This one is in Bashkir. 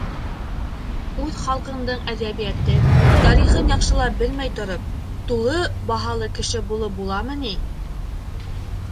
Үҙ халҡыңдың әҙәбиәтен, тарихын яҡшылап белмәй тороп, тулы баһалы кеше булып буламы ни?..